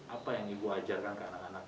apa yang ibu ajarkan ke anak anak